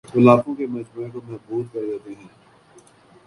وہ لاکھوں کے مجمعے کو مبہوت کر دیتے ہیں